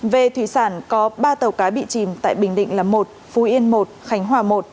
về thủy sản có ba tàu cá bị chìm tại bình định là một phú yên một khánh hòa một